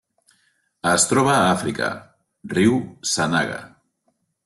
Es troba a Àfrica: riu Sanaga.